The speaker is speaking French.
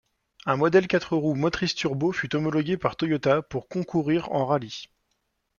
Un modèle quatre roues motrices-turbo fut homologué par Toyota pour concourir en rallye.